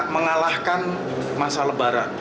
mengalahkan masa lebaran